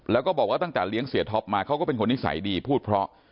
แล้วก็บอกว่าตั้งแต่เลี้ยงเสียท็อปมาเขาก็เป็นคนนิสัยดีพูดเพราะ